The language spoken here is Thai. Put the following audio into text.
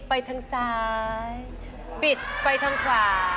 อ้าว